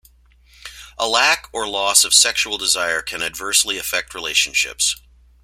A lack or loss of sexual desire can adversely affect relationships.